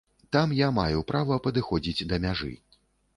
Там я маю права падыходзіць да мяжы.